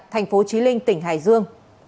thành phố trí linh tỉnh hải dương